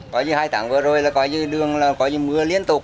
có như hai tháng vừa rồi là có như đường là có như mưa liên tục